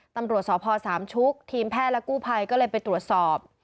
ตำรวจสพสามชุกทีมแพทย์และกู้ภัยก็เลยไปตรวจสอบ